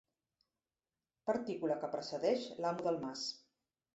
Partícula que precedeix l'amo del mas.